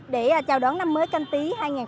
để chào đón năm mới canh tí hai nghìn hai mươi